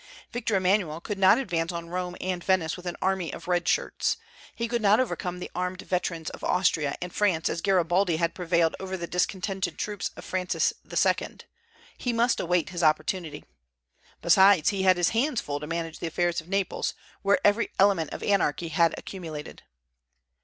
Victor Emmanuel could not advance on Rome and Venice with an "army of red shirts;" he could not overcome the armed veterans of Austria and France as Garibaldi had prevailed over the discontented troops of Francis II., he must await his opportunity. Besides, he had his hands full to manage the affairs of Naples, where every element of anarchy had accumulated.